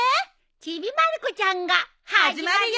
『ちびまる子ちゃん』が始まるよ。